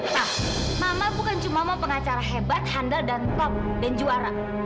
nah mama bukan cuma mau pengacara hebat handal dan top dan juara